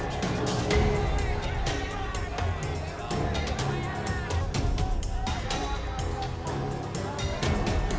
susah banget kita lihat ke lalu ala